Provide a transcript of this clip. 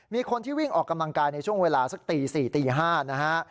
มีคนที่วิ่งออกกำลังกายในช่วงเวลาสักตี๔ตี๕นะฮะ